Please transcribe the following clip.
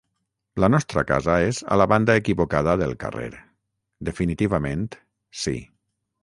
La nostra casa és a la banda equivocada del carrer; definitivament, sí.